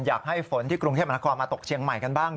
อยากให้ฝนที่กรุงเทพมหานครมาตกเชียงใหม่กันบ้าง